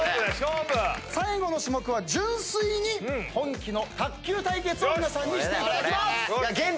最後の種目は純粋に本気の卓球対決を皆さんにしていただきます！